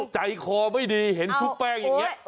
ใจคอไม่ดีเห็นชุบแป้งอย่างนี้